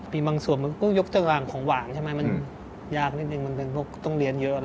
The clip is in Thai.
มีบางของเกี่ยวกับหวานมันยากต้องเรียนเยอะ